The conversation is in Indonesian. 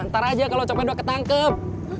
ntar aja kalo cobat lo ketangkep